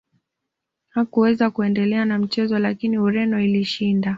hakuweza kuendelea na mchezo lakini ureno ilishinda